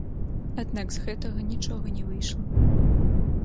Аднак з гэтага нічога не выйшла.